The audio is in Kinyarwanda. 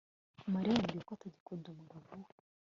mariya yambwiye ko atagikunda umugabo we